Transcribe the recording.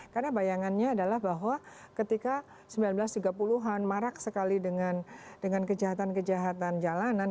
karena bayangannya adalah bahwa ketika seribu sembilan ratus tiga puluh an marak sekali dengan kejahatan kejahatan jalanan